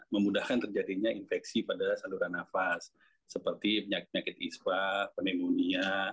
memudahkan terjadinya infeksi pada saluran nafas seperti penyakit penyakit ispa pneumonia